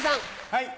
はい。